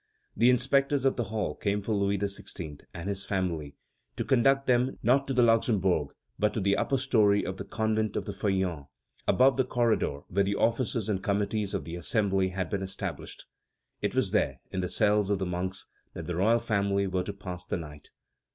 The inspectors of the hall came for Louis XVI. and his family, to conduct them, not to the Luxembourg, but to the upper story of the convent of the Feuillants, above the corridor where the offices and committees of the Assembly had been established. It was there, in the cells of the monks, that the royal family were to pass the night.